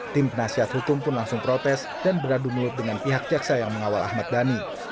tim penasihat hukum pun langsung protes dan beradu mulut dengan pihak jaksa yang mengawal ahmad dhani